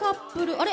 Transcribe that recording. あれ？